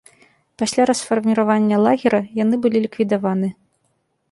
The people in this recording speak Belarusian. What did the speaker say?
Пасля расфарміравання лагера, яны былі ліквідаваны.